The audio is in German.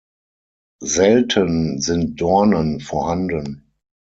Selten sind Dornen vorhanden.